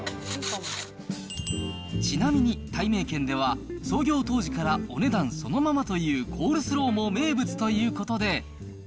ちなみに、たいめいけんでは、創業当時からお値段そのままというコールスローも名物ということで。